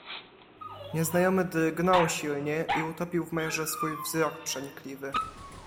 "Nieznajomy drgnął silnie i utopił w majorze swój wzrok przenikliwy."